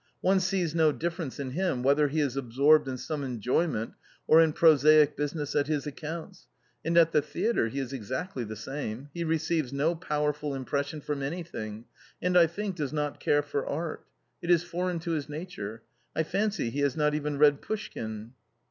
One sees no difference in him whether he is absorbed in some enjoy ment or in prosaic business at his accounts, and at the theatre he is exactly the same ; he receives no powerful im pression from anything and I think does not care for art ; it is foreign to his nature ; I fancy he has not even read Pushkin."